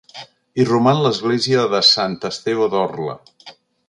Hi roman l'església de Sant Esteve d'Orla.